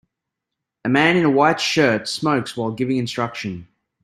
A man in a white shirt smokes while giving instruction.